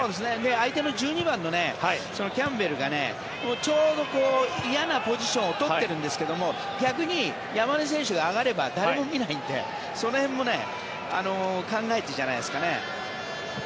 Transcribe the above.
相手の１２番のキャンベルがちょうど嫌なポジションを取ってるんですけども逆に、山根選手が上がれば誰も見ないのでその辺も考えてじゃないですかね。